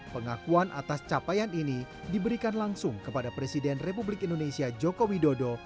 pengakuan atas capaian ini diberikan langsung kepada presiden republik indonesia joko widodo